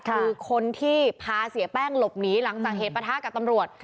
คือคนที่พาเสียแป้งหลบหนีหลังจากเหตุประทะกับตำรวจ